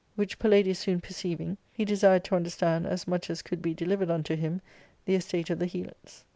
, Which Palladius soon perceiving, he desired to understand, as much as could be delivered unto him, the estate of the JgelotSj.